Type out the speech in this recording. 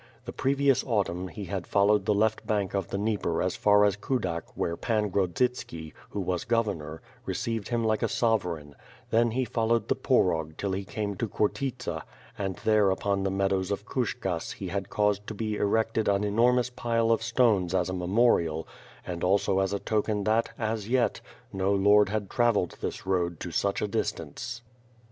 The previous au tumn he had followed the left bank of the Dnieper as far as Kudak where Pan Grodzitski, who was Governor, received him like a sovereign; then he followed the Porog until he came to Chortitza and there upon the meadows of Kushkas he had caused to be erected an enormous pile of stones as a memorial, and also as a token that, as yet, no lord had travelled this road to such a distance.